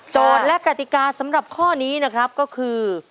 และกติกาสำหรับข้อนี้นะครับก็คือ